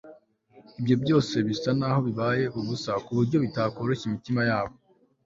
ibyo byose bisa naho bibaye ubusa ku buryo bitakoroshya imitima yabo